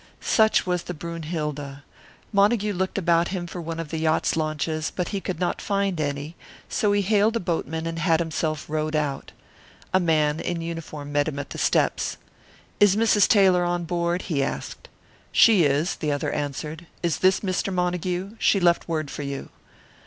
Such was the Brünnhilde, Montague looked about him for one of the yacht's launches, but he could not find any, so he hailed a boatman and had himself rowed out. A man in uniform met him at the steps. "Is Mrs. Taylor on board?" he asked. "She is," the other answered. "Is this Mr. Montague? She left word for you."